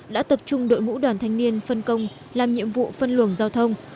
đã tập trung đội ngũ đoàn thanh niên phân công làm nhiệm vụ phân luồng giao thông